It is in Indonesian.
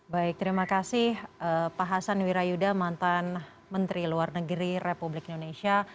baik terima kasih pak hasan wirayuda mantan menteri luar negeri republik indonesia